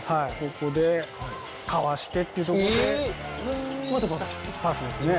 ここでかわしてっていうとこでパスですね。